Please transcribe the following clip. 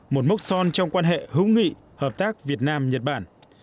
một mốc son trong quan hệ hữu nghị hợp tác việt nam nhật bản